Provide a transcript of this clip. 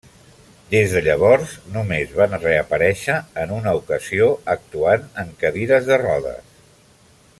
Des de llavors, només van reaparèixer en una ocasió, actuant en cadires de rodes.